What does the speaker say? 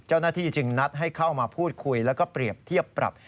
เจ้าหน้าที่จึงนัดให้เข้ามาพูดคุยแล้วก็เปรียบเทียบปรับ